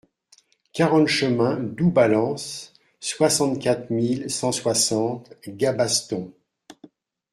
quarante chemin Dous Balens, soixante-quatre mille cent soixante Gabaston